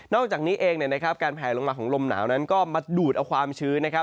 อกจากนี้เองการแผลลงมาของลมหนาวนั้นก็มาดูดเอาความชื้นนะครับ